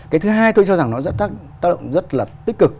cái thứ hai tôi cho rằng nó sẽ tác động rất là tích cực